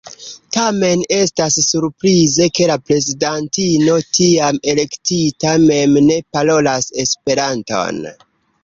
Tamen, estas surprize ke la prezidantino tiam elektita mem ne parolas Esperanton.